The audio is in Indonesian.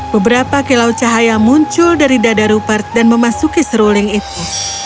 beberapa kilau cahaya muncul dari dada rupert dan memasuki seruling itu